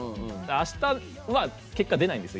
あしたって結果出ないんですよ。